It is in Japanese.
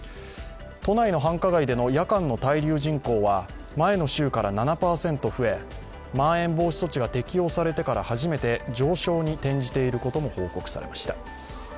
都内の繁華街での夜間の滞留人口は前の週から７％増え、まん延防止措置が適用されてから初めて上昇に転じていることも報告されました。